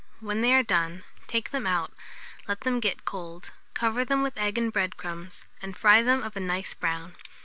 When they are done, take them out, let them get cold, cover them with egg and bread crumbs, and fry them of a nice brown.